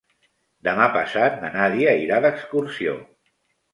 Demà passat na Nàdia irà d'excursió.